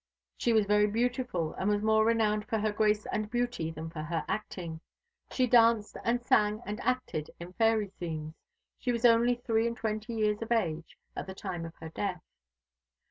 She was very beautiful, and was more renowned for her grace and beauty than for her acting. She danced and sang and acted in fairy scenes. She was only three and twenty years of age at the time of her death.